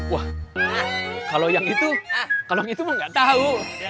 wah kalo yang itu kalo yang itu mah ga tau